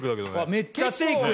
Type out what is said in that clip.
めっちゃシェイクや。